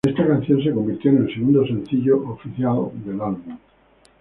Esta canción se convirtió en el segundo sencillo oficial del álbum.